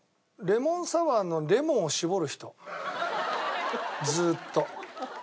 レモンサワーのレモンを搾る人？